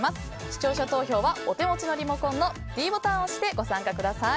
視聴者投票はお手持ちのリモコンのｄボタンを押してご参加ください。